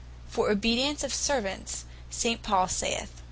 For obedience of servants St. Paul saith, (Coll.